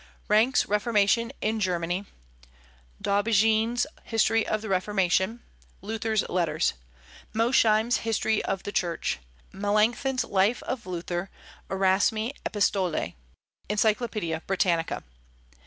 Ranke's Reformation in Germany; D'Aubigné's History of the Reformation; Luther's Letters; Mosheim's History of the Church; Melancthon's Life of Luther: Erasmi Epistolae; Encyclopaedia Britannica.